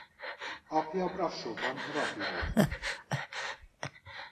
Apja Brassóban rabbi volt.